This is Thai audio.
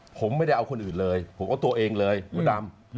ผมไม่ได้เอาคนอื่นเลยผมเอาตัวเองเลยมดดำ